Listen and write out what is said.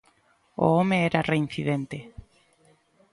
O home era reincidente.